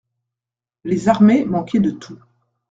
Les armées manquaient de tout.